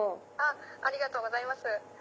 ありがとうございます。